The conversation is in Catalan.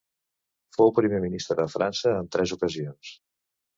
Fou Primer Ministre de França en tres ocasions.